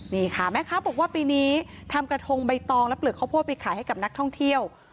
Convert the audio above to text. นี่ค่ะแม่ค้าบอกว่าปีนี้ทำกระทงใบตองและเปลือกข้าวโพดไปขายให้กับนักท่องเที่ยว